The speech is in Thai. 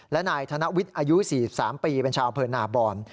และนายธนวิทย์อายุ๔๓ปีเป็นชาวอำเภอนาบอน